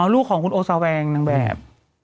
ลูกของคุณโอซาแวงนางแบบ